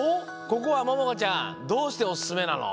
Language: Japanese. ここはももかちゃんどうしておすすめなの？